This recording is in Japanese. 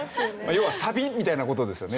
要はサビみたいな事ですよね。